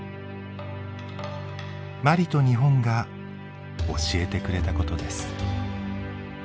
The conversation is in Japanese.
マリと日本が教えてくれたことです。